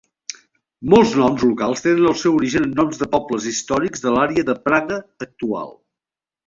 Molts noms locals tenen el seu origen en noms de pobles històrics de l'àrea de Praga actual.